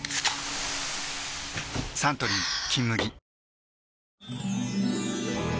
サントリー「金麦」